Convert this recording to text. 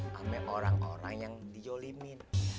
sampai orang orang yang dijolimin